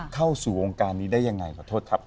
เข้าสู่วงการนี้ได้ยังไงขอโทษครับ